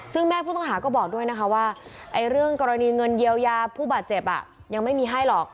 ซึ่งแม่ผู้ต้องหาก็บอกด้วยนะคะว่าเรื่องกรณีเงินเยียวยาผู้บาดเจ็บยังไม่มีให้หรอก